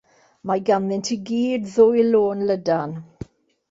Mae ganddynt i gyd ddwy lôn lydan.